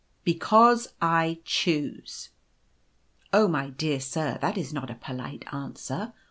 " c Because I choose.' " c Oh, my dear sir, that is not a polite answer.